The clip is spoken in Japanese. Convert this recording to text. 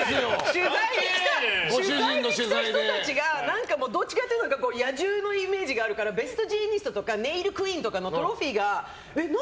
取材の人が何か、どっちかというと野獣のイメージがあるからベストジーニストとかネイルクイーンのトロフィーが何？